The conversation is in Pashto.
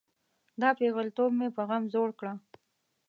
دا پیغلتوب مې په غم زوړ کړه.